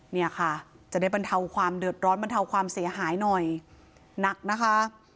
เนี่ยค่ะจะได้บรรเทาความเดือดร้อนบรรเทาความเสียหายหน่อยหนักนะคะ